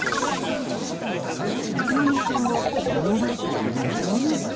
むぎ君も思わず二度見。